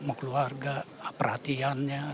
mau keluarga perhatiannya